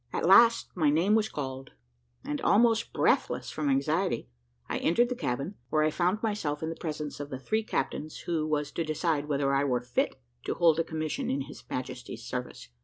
At last my name was called, and, almost breathless from anxiety, I entered the cabin, where I found myself in presence of the three captains who was to decide whether I were fit to hold a commission in His Majesty's service.